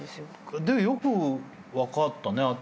でよく分かったね。